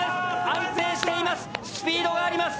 安定しています。